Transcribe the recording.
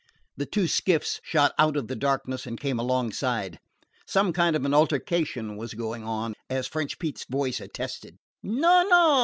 The two skiffs shot out of the darkness and came alongside. Some kind of an altercation was going on, as French Pete's voice attested. "No, no!"